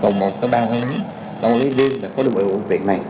có một lý do là có được bùi viện này